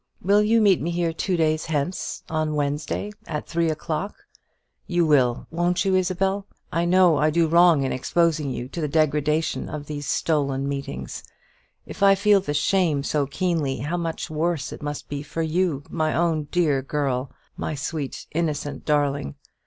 Will you meet me here two days hence, on Wednesday, at three o'clock? You will, won't you, Isabel? I know I do wrong in exposing you to the degradation of these stolen meetings. If I feel the shame so keenly, how much worse it must be for you my own dear girl my sweet innocent darling.